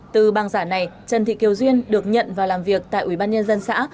từ bằng giả này trần thị kiều duyên được nhận và làm việc tại ubnd dân xã